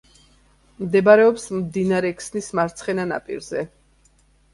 მდებარეობს მდინარე ქსნის მარცხენა ნაპირზე.